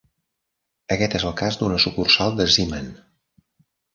Aquest és el cas d"una sucursal de Zeeman.